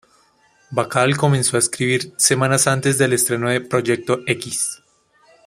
Bacall comenzó a escribir semanas antes del estreno de "Proyecto X".